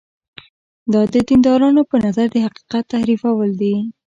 که دا د دیندارانو په نظر د حقیقت تحریفول دي.